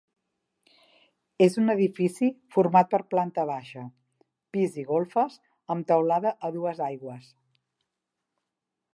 És un edifici format per planta baixa, pis i golfes, amb teulada a dues aigües.